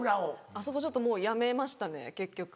あそこちょっともうやめましたね結局。